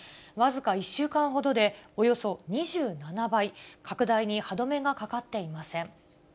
僅か１週間ほどでおよそ２７倍、拡大に歯止めがかかっていません。